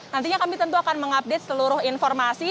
nantinya kami tentu akan mengupdate seluruh informasi